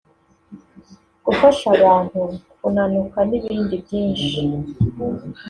gufasha abantu kunanuka n’ibindi byinshi